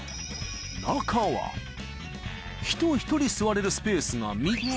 ［人一人座れるスペースが３つ］